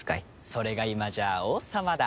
それが今じゃ王様だ。